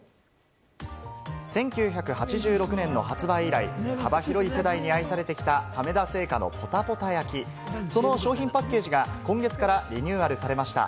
１９８６年の発売以来、幅広い世代に愛されてきた亀田製菓の「ぽたぽた焼」、その商品パッケージが今月からリニューアルされました。